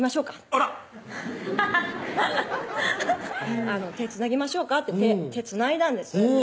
あらっハハッ「手つなぎましょうか？」って手つないだんです